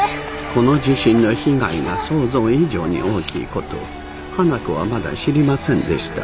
この地震の被害が想像以上に大きい事を花子はまだ知りませんでした。